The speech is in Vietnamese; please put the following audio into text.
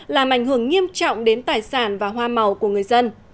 làm ảnh hưởng nghiêm trọng đến tài sản và hoa màu của người dân